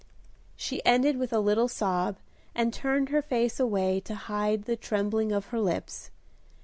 She ended with a little sob, and turned her face away to hide the trembling of her lips.